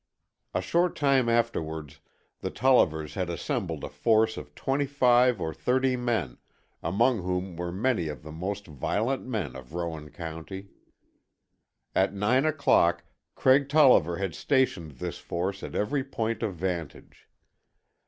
A short time afterwards the Tollivers had assembled a force of twenty five or thirty men, among whom were many of the most violent men of Rowan County. At nine o'clock Craig Tolliver had stationed this force at every point of vantage.